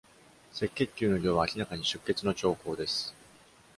赤血球の量は明らかに出血の徴候です。